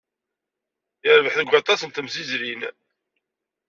Yerbeḥ deg aṭas n temzizlin.